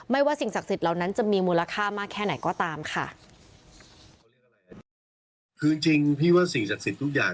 ไม่ว่าสิ่งศักดิ์สิทธิ์เหล่านั้นจะมีมูลค่ามากแค่ไหนก็ตามค่ะ